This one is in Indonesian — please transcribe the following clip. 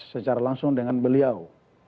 secara langsung dengan beliau